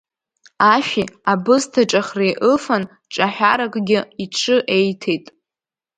Ашәи абысҭа ҿахреи ыфан, ҿаҳәаракгьы иҽы еиҭет.